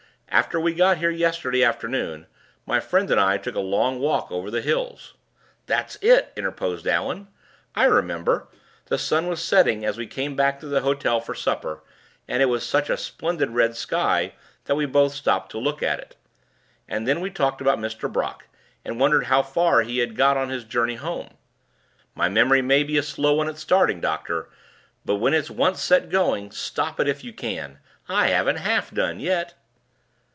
"After we got here yesterday afternoon, my friend and I took a long walk over the hills " "That's it!" interposed Allan. "I remember. The sun was setting as we came back to the hotel for supper, and it was such a splendid red sky, we both stopped to look at it. And then we talked about Mr. Brock, and wondered how far he had got on his journey home. My memory may be a slow one at starting, doctor; but when it's once set going, stop it if you can! I haven't half done yet."